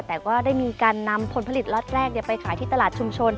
แต่ก็ได้มีการนำผลผลิตล็อตแรกไปขายที่ตลาดชุมชน